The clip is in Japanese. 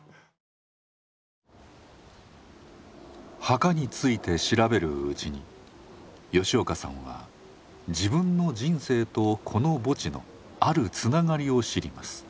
墓について調べるうちに吉岡さんは自分の人生とこの墓地のあるつながりを知ります。